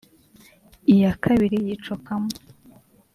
iya kabiri yicokamo